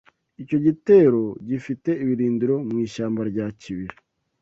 icyo gitero bafite ibirindiro mu ishyamba rya Kibira